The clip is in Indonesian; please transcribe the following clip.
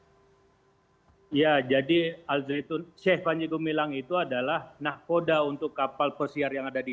oh ya jadi alzaitun syekh panjegu milang itu adalah nahkoda untuk kapal persiar yang ada di